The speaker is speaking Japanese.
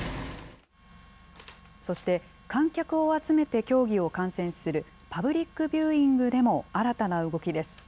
そして、観客を集めて競技を観戦するパブリックビューイングでも新たな動きです。